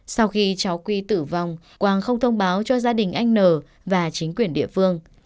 sau khi cháu quy tử vong quang không thông báo cho gia đình anh n và chính quyền địa phương